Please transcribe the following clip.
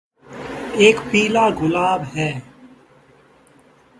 एक पीला गुलाब है।